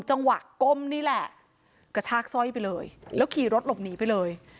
จังหวะก้มนี่แหละกระชากสร้อยไปเลยแล้วขี่รถหลบหนีไปเลย